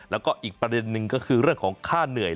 แล้วก็อีกประเด็นหนึ่งก็คือเรื่องของค่าเหนื่อย